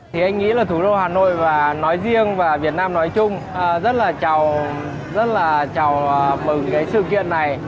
thì anh nghĩ là thủ đô hà nội và nói riêng và việt nam nói chung rất là chào mừng cái sự kiện này